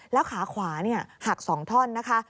แล้วขาขวาหัก๒ท่อนนะคะ